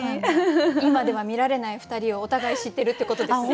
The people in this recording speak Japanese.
今では見られない２人をお互い知ってるってことですね。